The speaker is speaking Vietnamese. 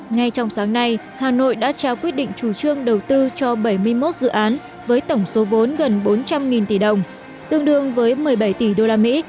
ngay trong sáng nay hà nội đã trao quyết định chủ trương đầu tư cho bảy mươi một dự án với tổng số vốn gần bốn trăm linh tỷ đồng tương đương với một mươi bảy tỷ đô la mỹ